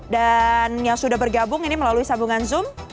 yang sudah bergabung ini melalui sambungan zoom